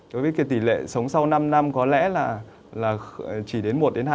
đối với tỷ lệ sống sau năm năm có lẽ chỉ đến một hai